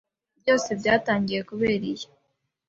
Byose byatangiye kubera iyi.